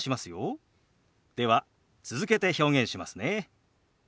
では続けて表現しますね。